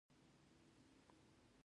د سر د سپږو لپاره د څه شي اوبه وکاروم؟